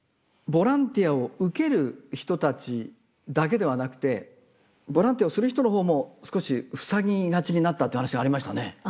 ボランティアを受ける人たちだけではなくてボランティアをする人の方も少しふさぎがちになったって話ありましたね。